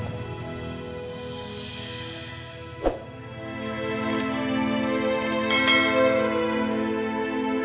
bak farming mengapa